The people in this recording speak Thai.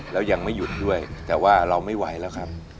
แล้วยังไม่หยุดด้วยแต่ว่าเราไม่ไหวแล้วครับ